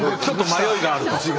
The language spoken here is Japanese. ちょっと迷いがあると。